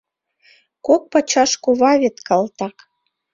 Кок пачаш кува вет, калтак.